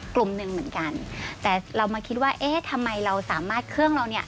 กลุ่มหนึ่งเหมือนกันแต่เรามาคิดว่าเอ๊ะทำไมเราสามารถเครื่องเราเนี่ย